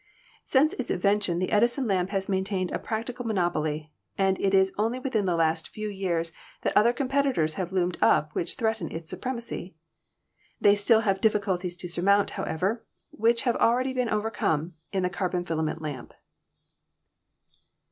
Since its invention the Edison lamp has maintained a practical monopoly, and it is only within the last few years that other competitors have loomed up which threaten its supremacy. They still have difficulties to surmount, how ever, which have already been overcome in the carbon fila ment lamp.